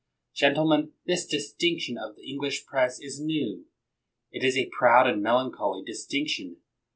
Gentlemen, this distinction of the English Press is new; it is a proud and melan choly distinction.